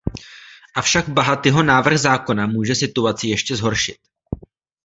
Avšak Bahatiho návrh zákona může situaci ještě zhoršit.